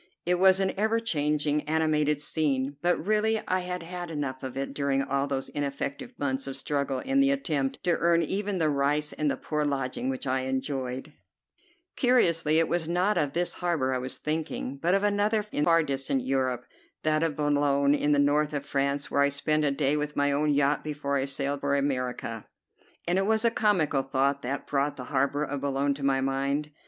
It was an ever changing, animated scene; but really I had had enough of it during all those ineffective months of struggle in the attempt to earn even the rice and the poor lodging which I enjoyed. [Illustration: "The twinkling eyes of the Emperor fixed themselves on Miss Hemster." Page 144 ] Curiously, it was not of this harbor I was thinking, but of another in far distant Europe, that of Boulogne in the north of France, where I spent a day with my own yacht before I sailed for America. And it was a comical thought that brought the harbor of Boulogne to my mind.